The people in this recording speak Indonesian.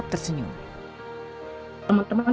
kemudian di tahun dua ribu delapan